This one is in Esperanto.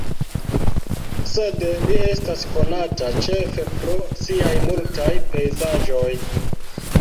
Sed li estas konata ĉefe pro siaj multaj pejzaĝoj.